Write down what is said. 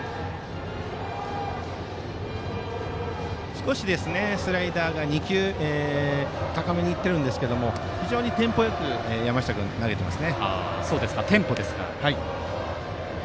少しスライダーが２球、高めに行っていますが非常にテンポよく山下君、投げています。